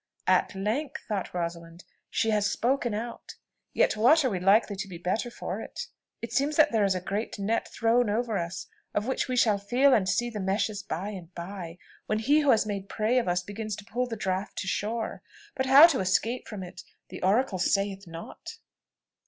"At length," thought Rosalind, "she has spoken out; yet what are we likely to be the better for it? It seems that there is a great net thrown over us, of which we shall feel and see the meshes by and by, when he who has made prey of us begins to pull the draught to shore; but how to escape from it, the oracle sayeth not!"